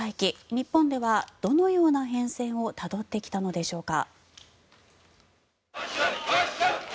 日本ではどのような変遷をたどってきたのでしょうか。